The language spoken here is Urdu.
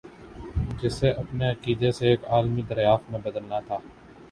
جسے ابھی عقیدے سے ایک علمی دریافت میں بدلنا تھا۔